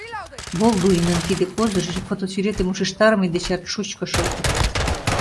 Болдуинын тиде козырьжо фотосӱретым ушештарыме дечат шучко шылтык.